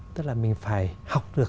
tức là mình phải học được